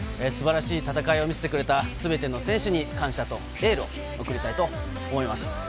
素晴らしい戦いを見せてくれたすべての選手に感謝とエールを送りたいと思います。